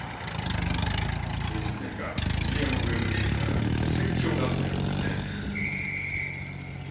そういうウィリアム・ウェブエリスからお説教があったようですね。